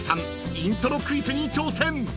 イントロクイズに挑戦］